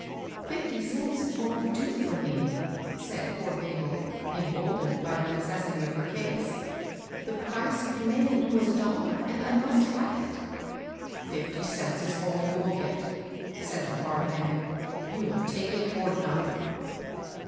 " Fifty cents wont do for me," said poor Mabel, emboldened by the necessity of her case. The price you named was a dollar, and I must have it." Fifty cents is all you will get," said the hard man. You will take it or none."